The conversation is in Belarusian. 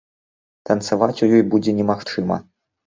Танцаваць у ёй будзе немагчыма.